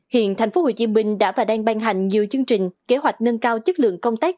hiện tp hcm đã và đang ban hành nhiều chương trình kế hoạch nâng cao chất lượng công tác